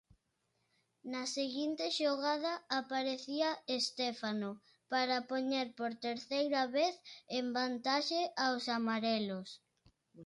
Na seguinte xogada aparecía Estéfano para poñer por terceira vez en vantaxe aos amarelos.